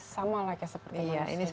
sama seperti manusia